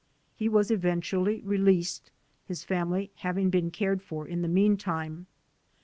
He was eventually released, his family having been cared for in the meantime.